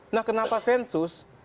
nah kenapa sensus